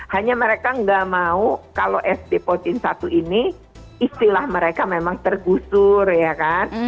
hanya mereka nggak mau kalau sd pochin satu ini istilah mereka memang tergusur ya kan